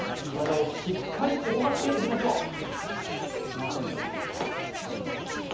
体をしっかり動かしていきましょう。